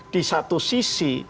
di satu sisi